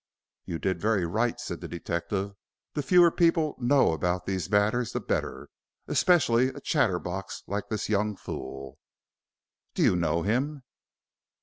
"You did very right," said the detective. "The fewer people know about these matters the better especially a chatterbox like this young fool." "Do you know him?"